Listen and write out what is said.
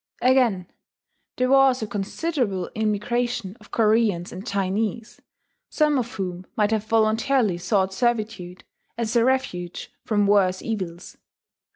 Again, there was a considerable immigration of Koreans and Chinese, some of whom might have voluntarily sought servitude as a refuge from worse evils.